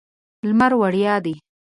لمر وړیا دی.